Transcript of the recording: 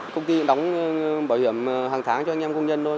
công ty đóng bảo hiểm hàng tháng cho anh em công nhân thôi